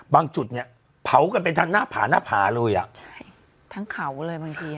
จุดเนี้ยเผากันเป็นทางหน้าผาหน้าผาเลยอ่ะใช่ทั้งเขาเลยบางที